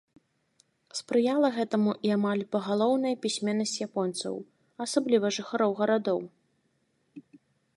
Спрыяла гэтаму і амаль пагалоўная пісьменнасць японцаў, асабліва жыхароў гарадоў.